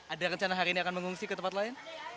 ada rencana hari ini akan mengungsi ke tempat lain